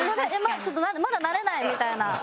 ちょっとまだ慣れないみたいな。